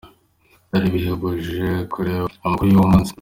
Byari bihebuje kureba amakuru y’uwo munsi.